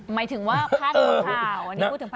หมายถึงว่าพลาดหัวข่าวอันนี้พูดถึงพลาดหัวข่าว